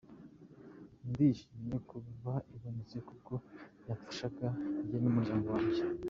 Ndishimye kuba ibonetse kuko yamfashaga jye n’umuryango wanjye.